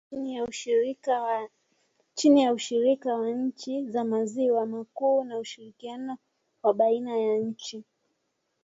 Chini ya ushirika wa nchi za maziwa makuu na ushirikiano wa baina ya nchi.